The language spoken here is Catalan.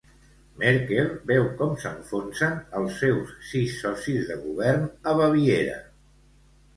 Merkel veu com s'enfonsen els seus sis socis de govern a Baviera.